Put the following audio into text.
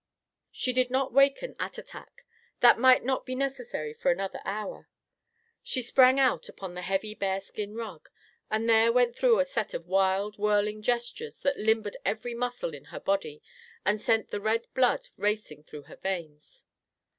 She did not waken Attatak. That might not be necessary for another hour. She sprang out upon the heavy bear skin rug, and there went through a set of wild, whirling gestures that limbered every muscle in her body and sent the red blood racing through her veins.